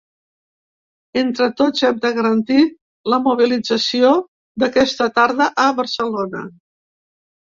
Entre tots hem de garantir la mobilització d'aquesta tarda a Barcelona.